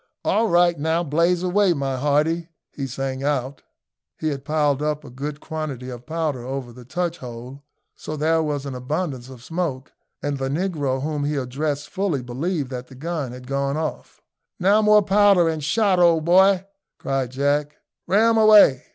"All right! now blaze away, my hearty!" he sang out. He had piled up a good quantity of powder over the touch hole, so there was an abundance of smoke, and the negro whom he addressed fully believed that the gun had gone off. "Now more powder and shot, old boy," cried Jack; "ram away!"